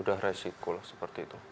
udah resiko lah seperti itu